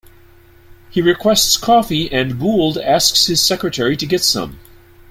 He requests coffee and Gould asks his secretary to get some.